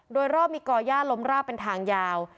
โดยรอบมีก่อย่าล้มราบเป็นทางยาว